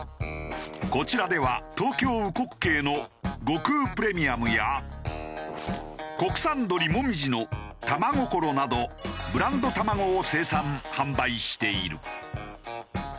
こちらでは東京うこっけいの極烏プレミアムや国産鶏もみじのたまごころなどブランド卵を生産・販売している。